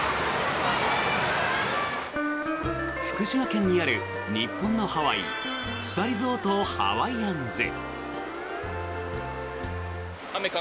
福島県にある日本のハワイスパリゾートハワイアンズ。